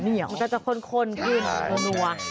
มันก็จะคนขึ้น